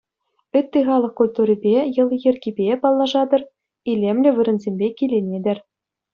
Ытти халӑх культурипе, йӑли-йӗркипе паллашатӑр, илемлӗ вырӑнсемпе киленетӗр.